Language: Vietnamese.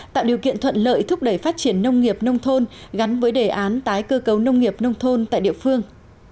tạo điều kiện thuận lợi thúc đẩy phát triển nông nghiệp nông thôn gắn với đề án tái cơ cấu nông nghiệp nông thôn tại địa phương